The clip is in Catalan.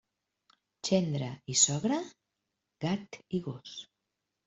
Gendre i sogra?, gat i gos.